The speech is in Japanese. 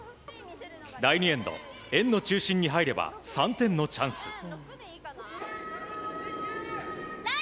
第２エンド、円の中心に入れば３点のチャンス。